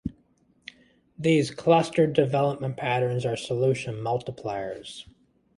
These clustered development patterns are solution multipliers.